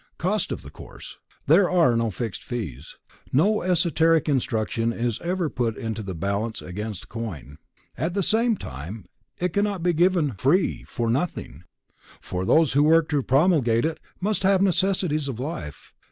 THE COST OF THE COURSE There are no fixed fees; no esoteric instruction is ever put in the balance against coin. At the same time, it cannot be given "free," "for nothing," for those who work to promulgate it must have the necessities of life.